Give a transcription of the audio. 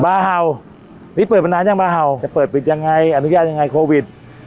เห่านี่เปิดมานานยังมาเห่าจะเปิดปิดยังไงอนุญาตยังไงโควิด